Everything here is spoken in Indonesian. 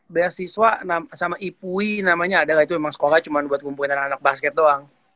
beasiswa sama ipui namanya ada nggak itu memang sekolah cuma buat ngumpulin anak anak basket doang